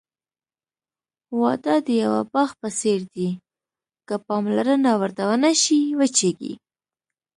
واده د یوه باغ په څېر دی، که پاملرنه ورته ونشي، وچېږي.